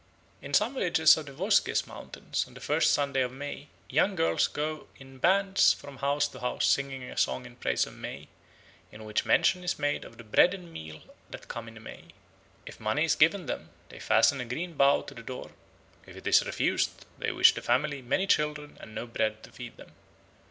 In some villages of the Vosges Mountains on the first Sunday of May young girls go in bands from house to house, singing a song in praise of May, in which mention is made of the "bread and meal that come in May." If money is given them, they fasten a green bough to the door; if it is refused, they wish the family many children and no bread to feed them.